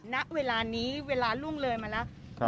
ณเวลานี้เวลาล่วงเลยมาแล้ว